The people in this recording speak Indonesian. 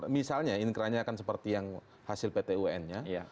misalnya inkranya akan seperti yang hasil pt un nya